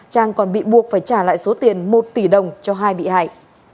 trang còn bị buộc phải trả lại số tiền một tỷ đồng cho hai bị hại